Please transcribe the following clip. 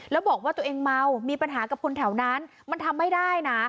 แล้วบอกว่าตัวเองเมามีปัญหากับคนแถวนั้นมันทำไม่ได้นะ